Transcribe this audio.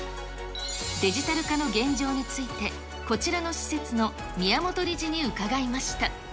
デジタル化の現状について、こちらの施設の宮本理事に伺いました。